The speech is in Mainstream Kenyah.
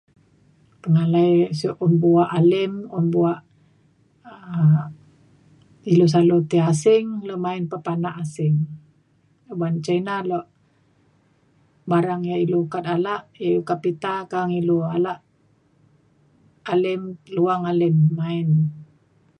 pengalai siuk un bua' alim un bua' um ilu salu ti asing ilu main papanak asing oban ca ina luk barang ya' ilu ukat alak ilu ke pita a'ang ilu bo' alak alim luang alim main